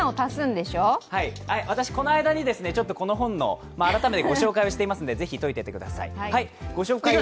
この間にこの本のご紹介をしていきますので、ぜひ解いていてください。